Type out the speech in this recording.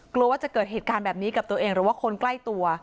กลัวว่าจะเกิดเหตุการณ์แบบนี้กับตัวเองหรือว่าคนใกล้ตัว